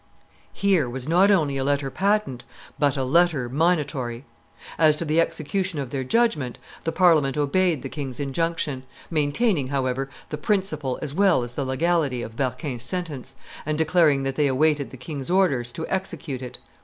Here was not only a letter patent, but a letter minatory. As to the execution of their judgment, the Parliament obeyed the king's injunction, maintaining, however, the principle as well as the legality of Berquin's sentence, and declaring that they awaited the king's orders to execute it.